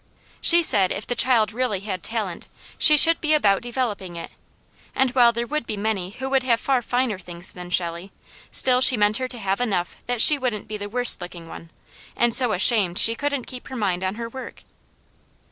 She said if the child really had talent, she should be about developing it, and while there would be many who would have far finer things than Shelley, still she meant her to have enough that she wouldn't be the worst looking one, and so ashamed she couldn't keep her mind on her work.